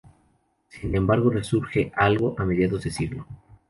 Sin embargo resurge algo a mediados del siglo.